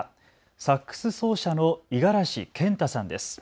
サックス奏者の五十嵐健太さんです。